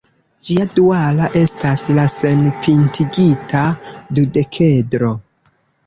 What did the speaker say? Ĝia duala estas la senpintigita dudekedro.